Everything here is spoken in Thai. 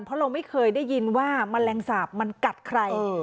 เพราะเราไม่เคยได้ยินว่าแมลงสาปมันกัดใคร